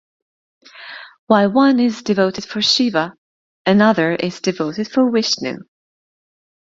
While one is devoted for Shiva another is devoted for Vishnu.